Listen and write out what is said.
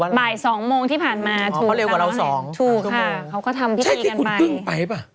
บ่าย๒โมงที่ผ่านมาถือกำลังว่าเท่าไหร่ถูกค่าเค้าก็ทำพิธีกันไปที่คุณเคึ้งไปปะ